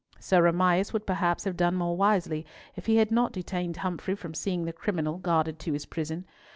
Sir Amias would perhaps have done more wisely if he had not detained Humfrey from seeing the criminal guarded to his prison.